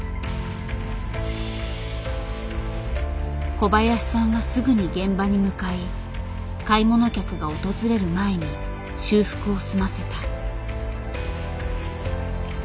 小林さんはすぐに現場に向かい買い物客が訪れる前に修復を済ませた。